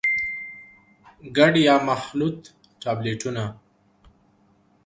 ګډ يا مخلوط ټابليټونه: